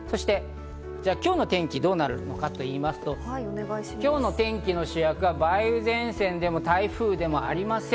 今日の天気がどうなるかと言いますと、主役は梅雨前線でも台風でもありません。